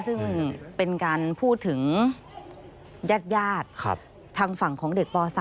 ซึ่งเป็นการพูดถึงญาติทางฝั่งของเด็กป๓